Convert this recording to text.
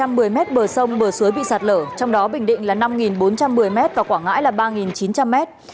chín ba trăm một mươi mét bờ sông bờ suối bị sạt lở trong đó bình định là năm bốn trăm một mươi mét và quảng ngãi là ba chín trăm linh mét